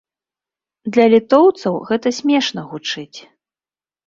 Для літоўцаў гэта смешна гучыць.